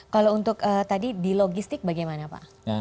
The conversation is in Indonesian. kalau untuk tadi di logistik bagaimana pak